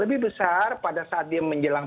lebih besar pada saat dia menjelang